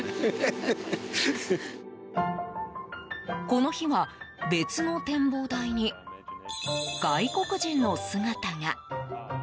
この日は別の展望台に外国人の姿が。